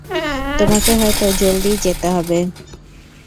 তোমাকে হয়তো জলদিই যেতে হবে।